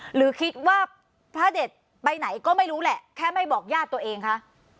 หรือคิดว่าพระเด็ดไปไหนก็ไม่รู้แหละแค่ไม่บอกญาติตัวเองคะ